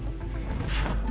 baik makasih ya